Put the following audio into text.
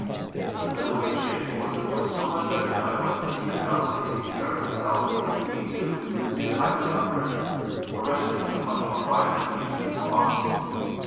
The middleweight champion was of course so much better than I was that he could not only take care of himself but of me too and see that I was not hurt for wrestling is a much more violent amusement than boxing.